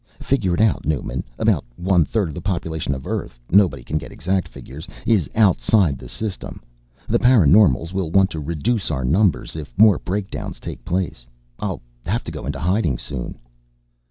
Figure it out, Newman, about one third the population of Earth nobody can get exact figures is outside the System. The paraNormals will want to reduce our numbers if more breakdowns take place. I'll have to go into hiding soon."